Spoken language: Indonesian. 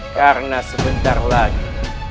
karena sebentar lagi